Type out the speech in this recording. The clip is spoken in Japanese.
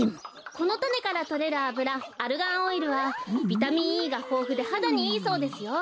このたねからとれるあぶらアルガンオイルはビタミンＥがほうふではだにいいそうですよ。